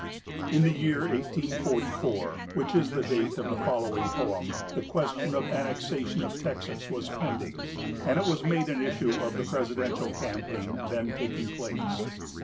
[In the year 1844, which is the date of the following poem, the question of the annexation of Texas was pending, and it was made an issue of the presidential campaign then taking place.